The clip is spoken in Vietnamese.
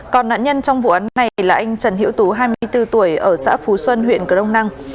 còn nạn nhân trong vụ án này là anh trần hiễu tú hai mươi bốn tuổi ở xã phú xuân huyện cờ đông năng